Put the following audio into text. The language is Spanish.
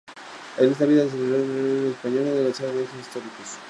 En esa semana la prima de riesgo de la deuda española alcanza máximos históricos.